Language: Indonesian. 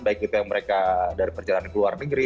baik itu yang mereka dari perjalanan ke luar negeri